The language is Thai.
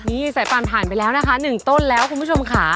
นี่สายฟันผ่านไปแล้วนะคะ๑ต้นแล้วคุณผู้ชมค่ะ